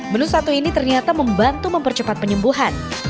menu satu ini ternyata membantu mempercepat penyembuhan